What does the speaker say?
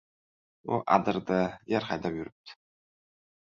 U adirda yer haydab yuribdi.